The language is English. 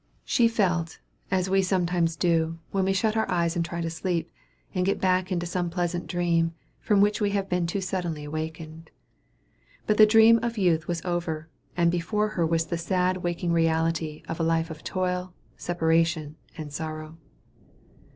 She felt, as we sometimes do, when we shut our eyes and try to sleep, and get back into some pleasant dream, from which we have been too suddenly awakened. But the dream of youth was over, and before her was the sad waking reality of a life of toil, separation, and sorrow.